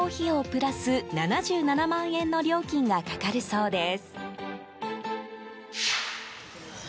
プラス７７万円の料金がかかるそうです。